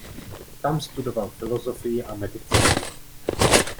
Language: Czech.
Tam studoval filozofii a medicínu.